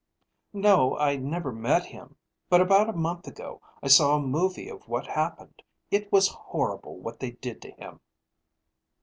"No, I never met him. But about a month ago I saw a movie of what happened. It was horrible what they did to him."